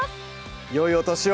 よいお年を！